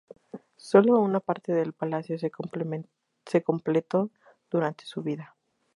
Sólo una parte del palacio se completó durante su vida.